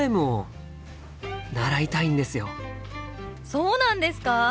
そうなんですか？